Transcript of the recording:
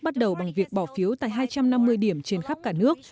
bắt đầu bằng việc bỏ phiếu tại hai trăm năm mươi điểm trên khắp cả nước